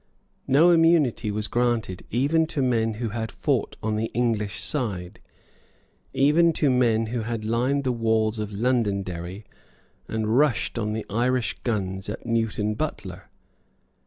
No immunity was granted even to men who had fought on the English side, even to men who had lined the walls of Londonderry and rushed on the Irish guns at Newton Butler.